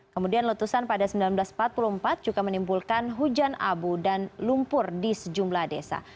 kemudian letusan pada seribu sembilan ratus empat puluh empat juga menimbulkan hujan abu dan lumpur di sejumlah desa